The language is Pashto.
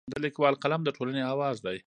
د لیکوال قلم د ټولنې اواز دی.